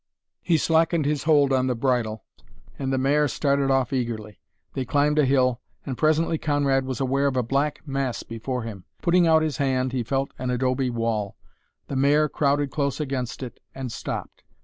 He slackened his hold on the bridle, and the mare started off eagerly. They climbed a hill, and presently Conrad was aware of a black mass before him. Putting out his hand he felt an adobe wall. The mare crowded close against it, and stopped.